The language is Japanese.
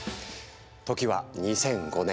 時は２００５年。